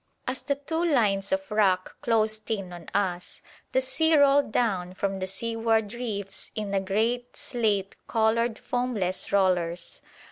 As the two lines of rock closed in on us, the sea rolled down from the seaward reefs in great slate coloured foamless rollers.